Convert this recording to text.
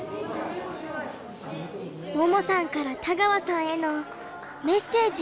桃さんから田川さんへのメッセージが。